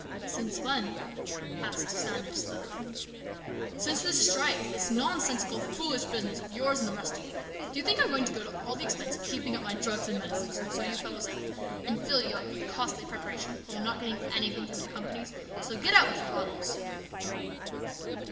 " Since when ?" asked Sanders slowly. " Since this strike, this nonsensical, foolish busi ness of yours and the rest of you. Do you think I'm going to go to all the expense of keeping up my drugs and medicines, and sew you fellows up and fill you up with costly preparations, while I'm not getting anything from the companies ? So get out with your bottle !